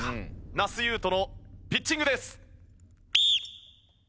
那須雄登のピッチングです。